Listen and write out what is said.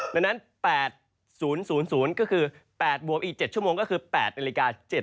ดังนั้น๘๐๐ก็คือ๘บวมอีก๗ชั่วโมงก็คือ๘นาฬิกา